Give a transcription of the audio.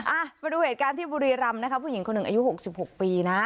อ่ะมาดูเหตุการณ์ที่บุรีรำนะคะผู้หญิงคนหนึ่งอายุหกสิบหกปีนะ